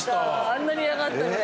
あんなに嫌がってたのに。